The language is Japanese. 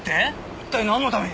一体なんのために？